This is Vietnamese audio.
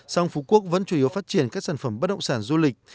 song phú quốc vẫn chủ yếu phát triển các sản phẩm bất động sản du lịch